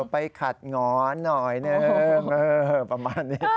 ไปขัดหงอนหน่อยนึงประมาณนี้